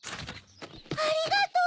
ありがとう！